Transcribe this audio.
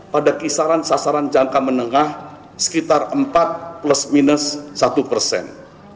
pada kisaran sasaran jangka menengah sekitar empat plus minus satu persen